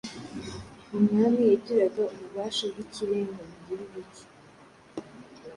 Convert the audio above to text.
Umwami yagiraga ububasha bw’ikirenga mu gihugu cye.